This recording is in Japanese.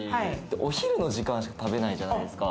お昼の時間しか食べないじゃないですか。